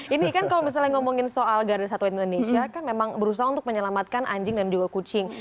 ini kan kalau misalnya ngomongin soal garda satwa indonesia kan memang berusaha untuk menyelamatkan anjing dan juga kucing